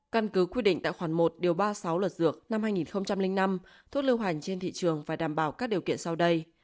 căn cứ quy định tại khoản một điều ba mươi sáu luật dược năm hai nghìn năm thuốc lưu hành trên thị trường phải đảm bảo các điều kiện sau đây